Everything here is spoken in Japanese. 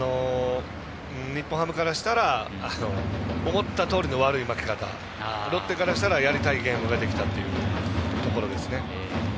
日本ハムからしたら思ったとおりの悪い負け方ロッテからしたらやりたいゲームができたというところですね。